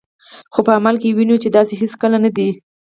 خو په عمل کې وینو چې داسې هیڅکله نه ده.